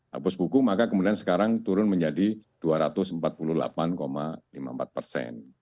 hapus buku maka kemudian sekarang turun menjadi dua ratus empat puluh delapan lima puluh empat persen